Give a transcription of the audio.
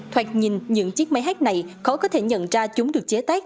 thoạt nhìn những chiếc máy hát này khó có thể nhận ra chúng được chế tác